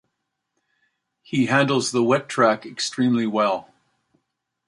He handles the wet track extremely well.